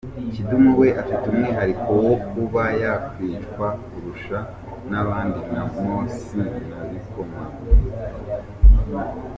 Kidum we afite umwihariko wo kuba yakwicwa kurusha n’abandi nka Mossi na Bikomagu.